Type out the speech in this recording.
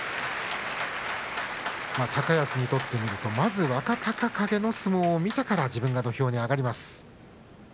高安にとってみるとまず若隆景の相撲を見てから自分が土俵に上がります。